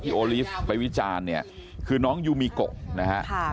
ที่โอลิฟณ์ไปวิจารเนี่ยคือน้องยูมิโกนะคะ